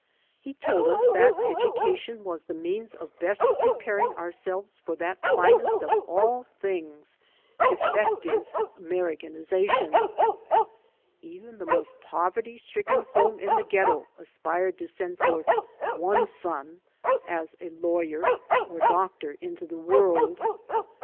He told us that education was the means of best preparing ourselves for that finest of all things, " effective Americanism." Even the most poverty stricken home in the ghetto aspired to send forth one son as lawyer or doctor into the world.